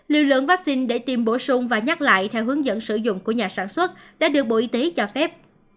liều lượng vaccine để tiêm bổ sung và nhắc lại theo hướng dẫn sử dụng của nhà sản xuất đã được bộ y tế cho phép